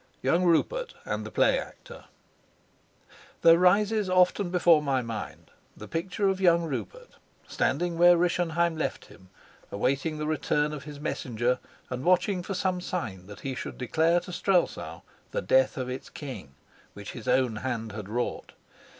YOUNG RUPERT AND THE PLAY ACTOR There rises often before my mind the picture of young Rupert, standing where Rischenheim left him, awaiting the return of his messenger and watching for some sign that should declare to Strelsau the death of its king which his own hand had wrought.